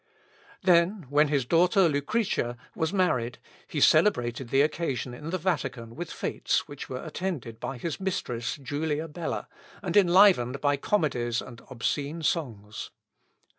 Then, when his daughter Lucretia was married, he celebrated the occasion in the Vatican with fêtes which were attended by his mistress, Julia Bella, and enlivened by comedies and obscene songs.